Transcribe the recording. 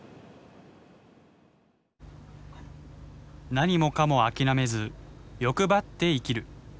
何もかもあきらめず欲張って生きる。